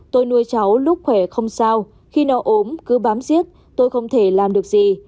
tôi nuôi cháu lúc khỏe không sao khi no ốm cứ bám giết tôi không thể làm được gì